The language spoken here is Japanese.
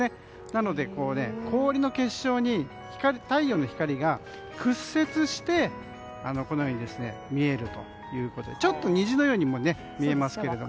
なので、氷の結晶に太陽の光が屈折してこのように見えるということでちょっと虹のようにも見えますが。